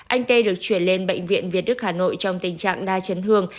anh t được chuyển lên bệnh viện việt đức hà nội trong tình trạng đa chấn hương